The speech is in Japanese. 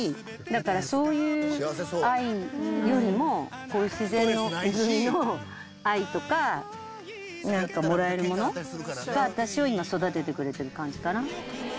だからそういう愛よりもこういう自然の恵みの愛とかなんかもらえるものが私を今育ててくれてる感じかな。